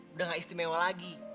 udah enggak istimewa lagi